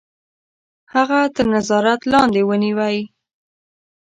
هغه تر نظارت لاندي ونیوی.